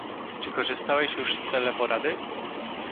Czy korzystałeś już z teleporady?